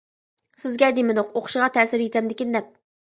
سىزگە دېمىدۇق ئوقۇشىغا تەسىر يېتەمدىكىن دەپ.